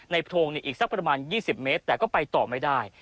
โพรงอีกสักประมาณ๒๐เมตรแต่ก็ไปต่อไม่ได้